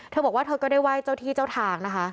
เธอบอกว่าเธอก็ได้ไหว้เจ้าที่เจ้าทางนะคะ